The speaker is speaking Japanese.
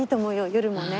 夜もね。